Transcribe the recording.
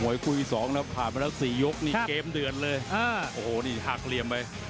คู่อีก๒แล้วผ่านมาแล้ว๔ยกนี่เกมเดือดเลยโอ้โหนี่หักเหลี่ยมไป